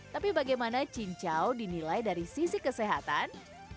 tapi bagaimana cincau dinilai dari sisi kesehatan